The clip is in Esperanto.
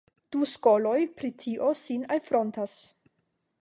Du skoloj pri tio sin alfrontas.